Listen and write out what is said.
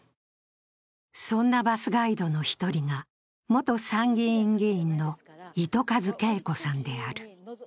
そんなバスガイドの１人が元参議院議員の糸数慶子さんである。